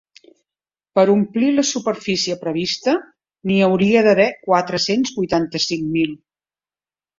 Per omplir la superfície prevista, n’hi hauria d’haver quatre-cents vuitanta-cinc mil.